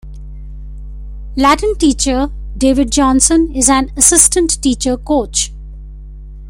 Latin teacher David Johnson is an assistant teacher coach.